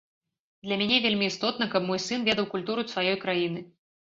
Для мяне вельмі істотна, каб мой сын ведаў культуру сваёй краіны.